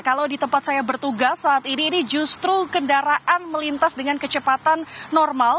kalau di tempat saya bertugas saat ini ini justru kendaraan melintas dengan kecepatan normal